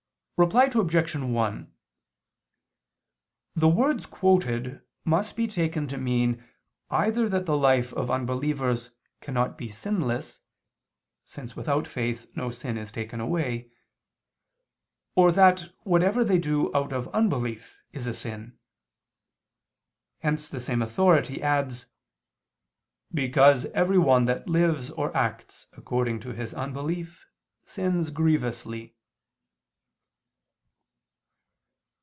Reply Obj. 1: The words quoted must be taken to mean either that the life of unbelievers cannot be sinless, since without faith no sin is taken away, or that whatever they do out of unbelief, is a sin. Hence the same authority adds: "Because every one that lives or acts according to his unbelief, sins grievously."